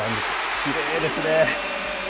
きれいですね。